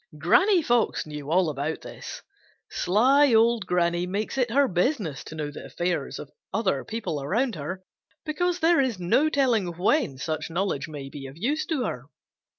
Granny Fox knew all about this. Sly old Granny makes it her business to know the affairs of other people around her because there is no telling when such knowledge may be of use to her.